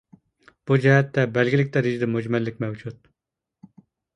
بۇ جەھەتتە بەلگىلىك دەرىجىدە مۈجمەللىك مەۋجۇت.